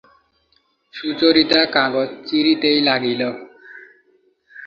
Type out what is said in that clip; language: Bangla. সুচরিতা কাগজ ছিঁড়িতেই লাগিল।